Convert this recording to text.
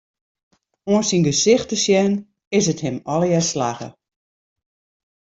Oan syn gesicht te sjen, is it him allegear slagge.